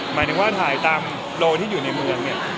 หมายถึงว่าถ่ายตามโลที่อยู่ในเมืองเนี่ย